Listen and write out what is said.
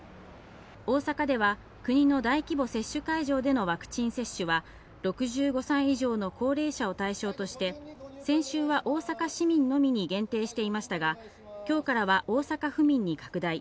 大阪では国の大規模接種会場でのワクチン接種は６５歳以上の高齢者を対象として、先週は大阪市民のみに限定していましたが、今日からは大阪府民に拡大。